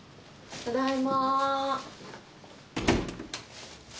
ただいま。